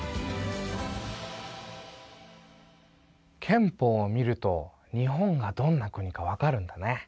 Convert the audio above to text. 憲法を見ると日本がどんな国かわかるんだね。